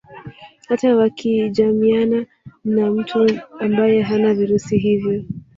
Hata wakijamiana na mtu ambaye hana virusi hivyo